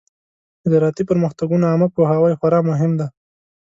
د زراعتي پرمختګونو عامه پوهاوی خورا مهم دی.